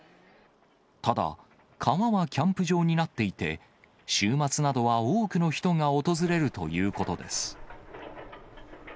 ただ、川はキャンプ場になっていて、週末などは多くの人が訪れるということです。